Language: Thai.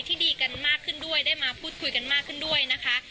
ดีกันมากขึ้นด้วยได้มาพูดคุยกันมากขึ้นด้วยนะคะ